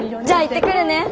じゃあ行ってくるね。